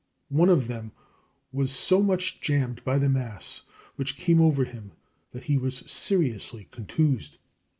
One of them was so much jammed by the mass which came over him that he was seriously contused.